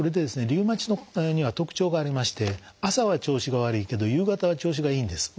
リウマチには特徴がありまして朝は調子が悪いけど夕方は調子がいいんです。